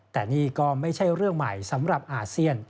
แต่นี่ก็ไม่ใช่เรื่องใหม่สำหรับอาเซียน